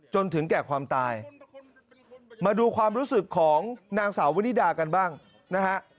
จนถึงแก่ความตายมาดูความรู้สึกของนางสาววินิดากันบ้างนะฮะ